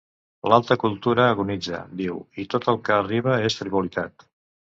L'alta cultura agonitza, diu, i tot el que arriba és frivolitat.